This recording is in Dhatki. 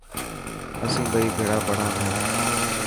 اسين ٻئي ڀيڙا پڙهان ٿا.